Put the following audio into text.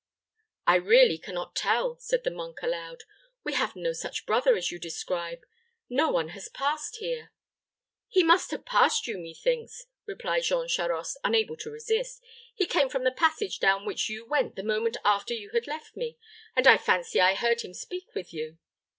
"I really can not tell," said the monk, aloud. "We have no such brother as you describe; no one has passed here." "He must have passed you, methinks," replied Jean Charost, unable to resist. "He came from the passage down which you went the moment after you had left me, and I fancied I heard him speak with you."